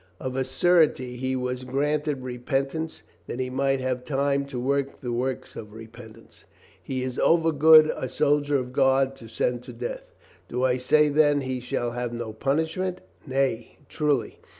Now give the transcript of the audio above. Of a surety he was granted repentance that he might have time to work the works of repentance. He is overgood a soldier of God to send to death. Do I say then he shall have no punishment? Nay, truly.